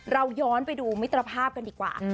เราย้อนไปดูมิตรภาพกันดีกว่า